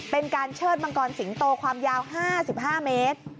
เป็นการเชิดมังกรสิงโตความยาว๕๕เมตร